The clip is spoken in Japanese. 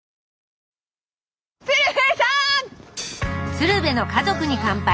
「鶴瓶の家族に乾杯」。